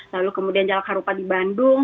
lalu kemudian jalak harupa di bandung